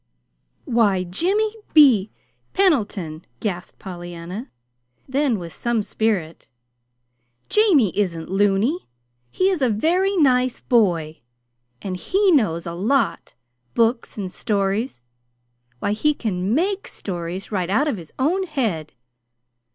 "Why, Jimmy Be Pendleton!" gasped Pollyanna. Then, with some spirit: "Jamie isn't loony! He is a very nice boy. And he knows a lot books and stories! Why, he can MAKE stories right out of his own head!